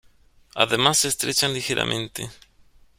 Además se estrechan ligeramente.